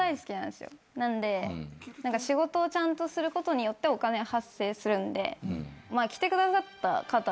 なんで仕事をちゃんとすることによってお金が発生するんで来てくださった方